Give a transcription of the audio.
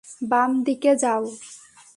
বাম দিকে যাও।